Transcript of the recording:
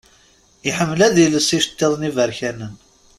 Iḥemmel ad iles iceṭṭiḍen iberkanen.